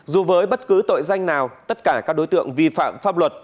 dù với bất cứ tội danh nào tất cả các đối tượng vi phạm pháp luật